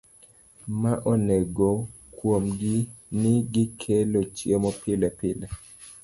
Ma ogeno kuomgi ni gikelo chiemo pilepile